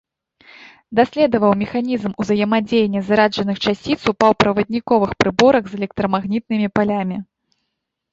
Даследаваў механізм узаемадзеяння зараджаных часціц у паўправадніковых прыборах з электрамагнітнымі палямі.